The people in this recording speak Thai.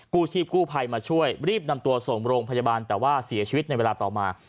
ชีพกู้ภัยมาช่วยรีบนำตัวส่งโรงพยาบาลแต่ว่าเสียชีวิตในเวลาต่อมา